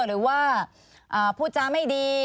หรือว่าพูดจาไม่ดี